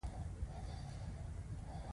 د زړه ماتېدو ږغ څوک نه اوري.